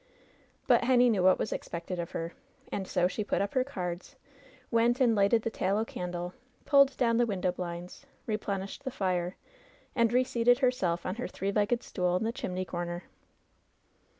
But Henny knew what was expected of her, and so she put up her cards, went and lighted the tallow candle, pulled down the window blinds, replenished the fire, and reseated herself on her three legged stool in the chimney comer.